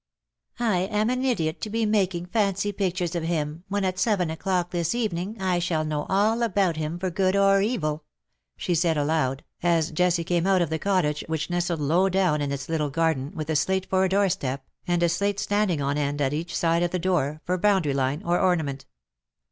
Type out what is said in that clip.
" I am an idiot to be making fancy pictures of him, when at seven o^clock this evening I shall know all about him for good or eviV^ she said aloud, as Jessie came out of the cottage, which nestled low down in its little garden, with a slate for a doorstep, and a slate standing on end at each side of the door, for boundary line, or ornament.